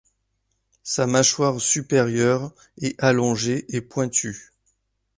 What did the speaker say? Sa mâchoire supérieure est allongée et pointue.